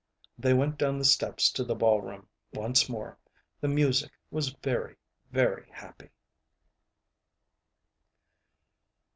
They went down the steps to the ballroom once more. The music was very, very happy.